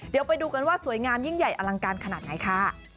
เดี๋ยวไปดูกันว่าสวยงามยิ่งใหญ่อลังการขนาดไหนค่ะ